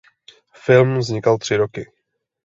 Film vznikal tři roky.